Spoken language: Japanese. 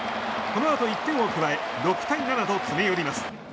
この後、１点を加え６対７と詰め寄ります。